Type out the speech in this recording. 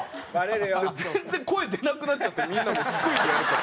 全然声出なくなっちゃってみんなスクイズやるから。